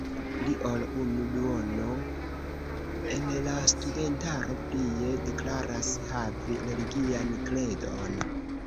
Pli ol unu duono el la studentaro plie deklaras havi religian kredon.